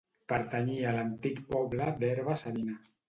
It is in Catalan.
Pertanyia a l'antic poble d'Herba-savina.